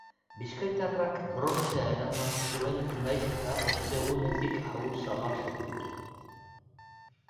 Bizkaitarrak brontzea eraman zuen nahiz eta ostegunetik ahul samar sentitu.